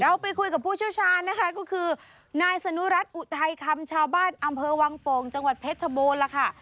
ไปคุยกับผู้เชี่ยวชาญนะคะก็คือนายสนุรัติอุทัยคำชาวบ้านอำเภอวังโป่งจังหวัดเพชรชบูรณ์ล่ะค่ะ